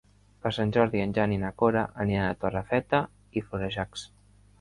Per Sant Jordi en Jan i na Cora aniran a Torrefeta i Florejacs.